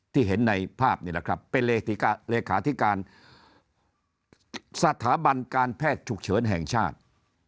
เห็นในภาพนี่แหละครับเป็นเลขาธิการสถาบันการแพทย์ฉุกเฉินแห่งชาติ